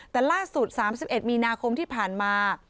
แต่ล่าสุด๓๑มีนาคมที่ผ่านมา